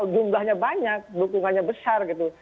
jumlahnya banyak dukungannya besar gitu